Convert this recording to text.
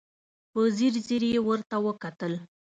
په ځير ځير يې ورته وکتل.